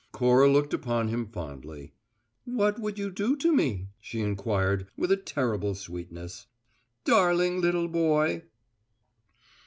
Cora looked upon him fondly. "What would you do to me," she inquired with a terrible sweetness "darling little boy?"